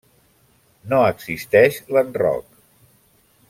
No existeix l'enroc.